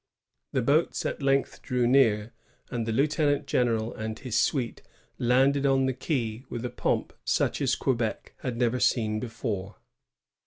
The boats at length drew near, and the lieutenant general and his suite landed on the quay with a pomp such as Quebec had never seen before.